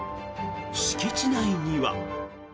敷地内には。